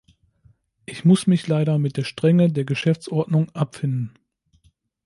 Ich muss mich leider mit der Strenge der Geschäftsordnung abfinden.